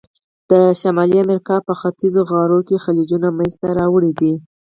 د شمالي امریکا په ختیځو غاړو کې خلیجونه منځته راوړي دي.